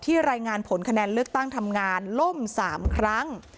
รายงานผลคะแนนเลือกตั้งทำงานล่ม๓ครั้ง